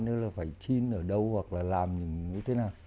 nữa là phải